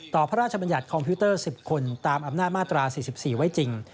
พระราชบัญญัติคอมพิวเตอร์๑๐คนตามอำนาจมาตรา๔๔ไว้จริง